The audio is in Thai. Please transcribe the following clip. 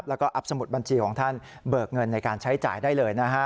แล้วก็อัพสมุดบัญชีของท่านเบิกเงินในการใช้จ่ายได้เลยนะฮะ